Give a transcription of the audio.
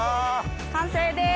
完成です。